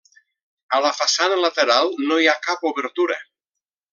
A la façana lateral no hi ha cap obertura.